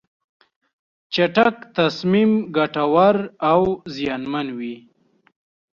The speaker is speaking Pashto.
چټک تصمیم ګټور او زیانمن وي.